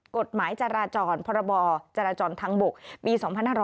กฎหมายจราจรพรบจราจรทางบกปี๒๕๖๐